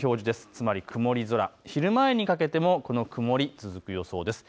つまり曇り空、昼前にかけてもこの曇り、続く予想です。